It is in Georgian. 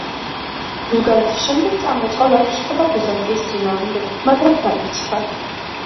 ბულგარეთის შემდეგ წამოიწყო ლაშქრობა ბიზანტიის წინააღმდეგ, მაგრამ დამარცხდა.